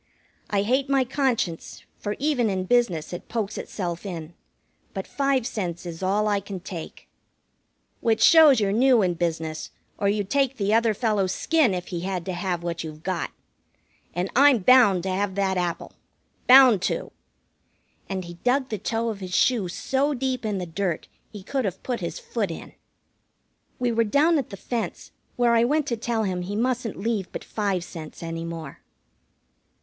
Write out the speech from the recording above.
"I hate my conscience, for even in business it pokes itself in. But five cents is all I can take." "Which shows you're new in business, or you'd take the other fellow's skin if he had to have what you've got. And I'm bound to have that apple. Bound to!" And he dug the toe of his shoe so deep in the dirt he could have put his foot in. We were down at the fence, where I went to tell him he mustn't leave but five cents any more.